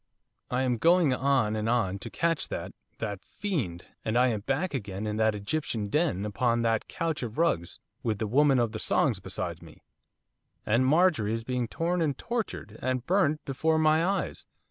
I am going on and on to catch that that fiend, and I am back again in that Egyptian den, upon that couch of rugs, with the Woman of the Songs beside me, and Marjorie is being torn and tortured, and burnt before my eyes!